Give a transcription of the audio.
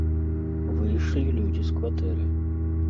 Выйшлі людзі з кватэры.